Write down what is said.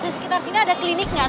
di sekitar sini ada klinik gak